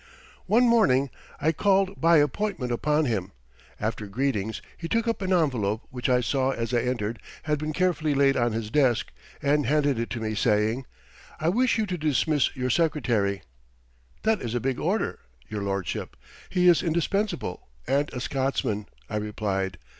] One morning I called by appointment upon him. After greetings he took up an envelope which I saw as I entered had been carefully laid on his desk, and handed it to me, saying: "I wish you to dismiss your secretary." "That is a big order, Your Lordship. He is indispensable, and a Scotsman," I replied.